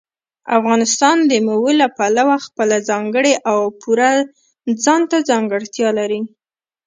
افغانستان د مېوو له پلوه خپله ځانګړې او پوره ځانته ځانګړتیا لري.